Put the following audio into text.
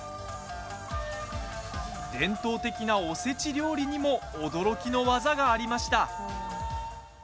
伝統的な、おせち料理にも驚きの技がありました。